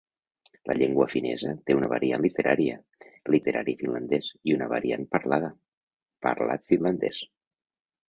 La llengua finesa té una variant literària, literari finlandès, i una variant parlada, parlat finlandès.